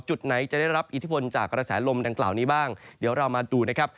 จุดไหนจะได้รับอิทธิพลจากกระแสลมดังกล่าวนี้บ้างเดี๋ยวเรามาดูนะครับ